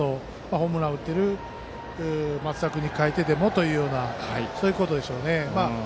ホームランを打っている松田君に代えてでもというそういうことでしょうね。